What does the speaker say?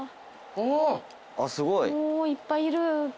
すごい。いっぱいいる。